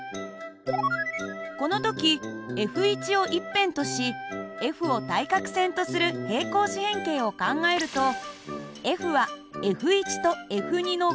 この時Ｆを１辺としＦを対角線とする平行四辺形を考えるとＦはＦとＦの合力になります。